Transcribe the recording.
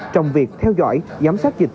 trong việc theo dõi giám sát dịch